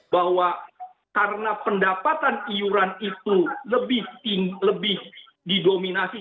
bahwa karena pendapatan iuran itu lebih didominasi